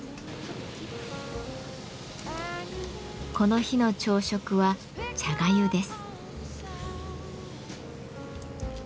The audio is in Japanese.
この日の朝食は茶粥です。